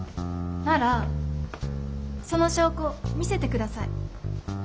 ならその証拠見せて下さい。